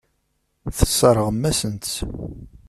Tesseṛɣem-asen-tt.